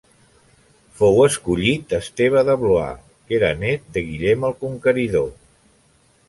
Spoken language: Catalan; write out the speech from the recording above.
Fou escollit Esteve de Blois, que era nét de Guillem el Conqueridor.